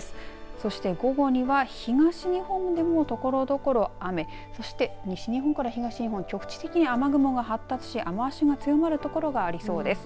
そして、午後には東日本でもところどころ雨そして西日本から東日本局地的に雨雲が発達し雨足が強まる所がありそうです。